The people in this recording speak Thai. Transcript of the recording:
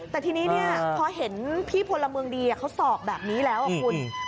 แต่ทีนี้พอเห็นพี่พลเมืองดีเขาสอบแบบนี้แล้วคุณ